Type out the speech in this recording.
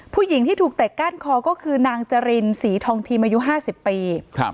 ผู้หญิงที่ถูกเตะก้านคอก็คือนางจรินศรีทองทีมอายุ๕๐ปี